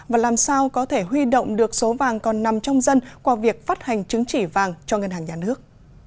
và làm sao có thể huy động được số vàng còn nằm trong dân qua việc phát hành chứng chỉ vàng cho ngân hàng nhà nước